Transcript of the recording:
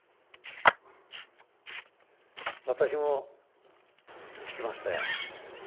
私も生きてましたよ。